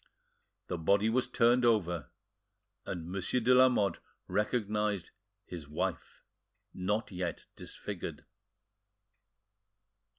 The body was turned over, and Monsieur de Lamotte recognised his wife, not yet disfigured.